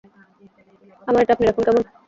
আমার এটা আপনি রাখুন, কেমন?